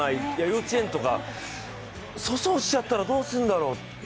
幼稚園とか、粗相しちゃったらどうするんだろう。